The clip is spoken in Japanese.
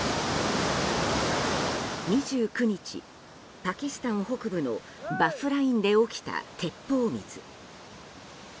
２９日、パキスタン北部のバフラインで起きた鉄砲水。